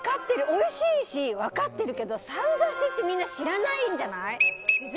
おいしいし分かってるけどサンザシってみんな知らないんじゃない？